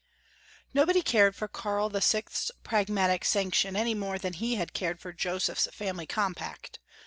NOBODY cared for Karl VI.'s Pragmatic Sanc tion any more than he had cared for Joseph's Family Compact.